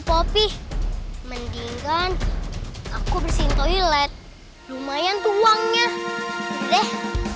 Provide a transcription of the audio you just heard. popi mendingan aku bersihin toilet lumayan tuangnya deh